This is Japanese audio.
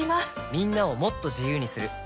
みんなをもっと自由にする「三菱冷蔵庫」